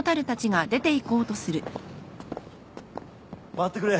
待ってくれ。